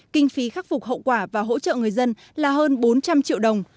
kinh phí khắc phục hậu quả và hỗ trợ người dân là hơn bốn trăm linh triệu đồng